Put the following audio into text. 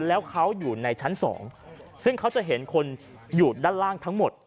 แล้วเขาอยู่ในชั้น๒ซึ่งเขาจะเห็นคนอยู่ด้านล่างทั้งหมด